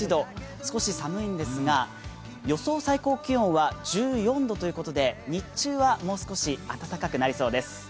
少し寒いんですが、予想最高気温は１４度ということで、日中はもう少し暖かくなりそうです。